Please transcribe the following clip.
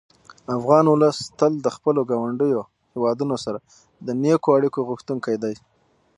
افغان ولس تل د خپلو ګاونډیو هېوادونو سره د نېکو اړیکو غوښتونکی دی.